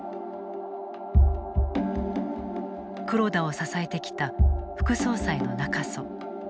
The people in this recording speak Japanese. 黒田を支えてきた副総裁の中曽。